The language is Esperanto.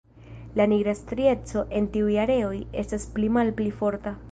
La nigra strieco en tiuj areoj estas pli malpli forta.